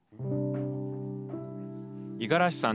五十嵐さん